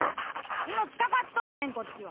命かかっとんねんこっちは！